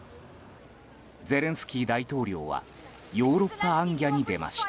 ゼレンスキー大統領はヨーロッパ行脚に出ました。